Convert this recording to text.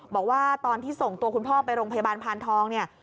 บอกว่าตอนที่ส่งตัวคุณพ่อไปโรงพยาบาลพานทองเนี่ย